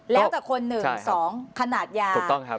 แล้วแต่คน๑๒ขนาดยา